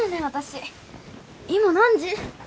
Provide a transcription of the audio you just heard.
私今何時？